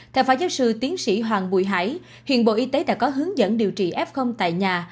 theo phó giáo sư tiến sĩ hoàng bùi hải hiện bộ y tế đã có hướng dẫn điều trị f tại nhà